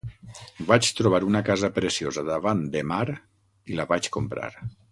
Vaig trobar una casa preciosa davant de mar i la vaig comprar.